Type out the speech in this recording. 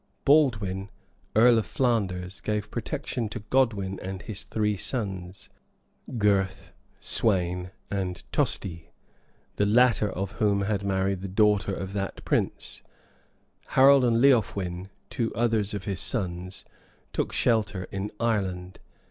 Baldwin, earl of Flanders, gave protection to Godwin and his three sons, Gurth, Sweyn, and Tosti, the latter of whom had married the daughter of that prince; Harold and Leofwin, two others of his sons, took shelter in Ireland.